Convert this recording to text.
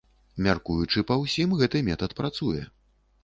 Мяркуючы па ўсім, гэты метад працуе.